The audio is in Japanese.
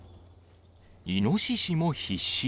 イノシシも必死。